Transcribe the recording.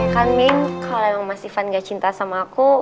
kan wing kalau emang mas ivan gak cinta sama aku